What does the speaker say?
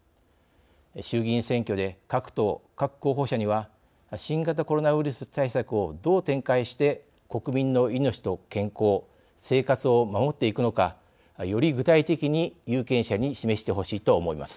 衆議院選挙で各党、各候補者には新型コロナウイルス対策をどう展開して国民の命と健康生活を守っていくのかより具体的に有権者に示してほしいと思います。